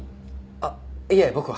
あっいえ僕は。